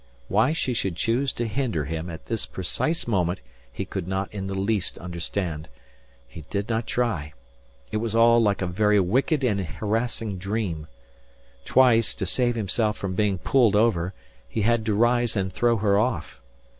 Why she should choose to hinder him at this precise moment he could not in the least understand. He did not try. It was all like a very wicked and harassing dream. Twice, to save himself from being pulled over, he had to rise and throw her off.